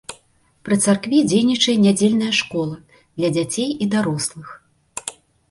Пры царкве дзейнічае нядзельная школа для дзяцей і дарослых.